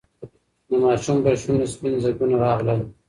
د ماشوم پر شونډو سپین ځگونه راغلل.